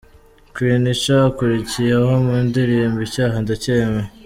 Queen Cha akurikiyeho mu ndirimbo ’Icyaha ndacyemera’.